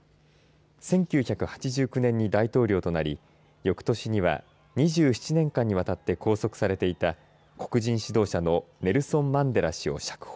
１９８９年に大統領となりよくとしには２７年間にわたって拘束されていた、黒人指導者のネルソン・マンデラ氏を釈放。